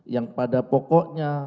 yang pada pokoknya